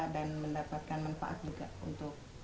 dan mendapatkan manfaat juga untuk